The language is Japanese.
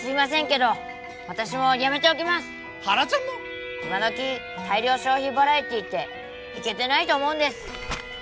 今どき大量消費バラエティってイケてないと思うんです。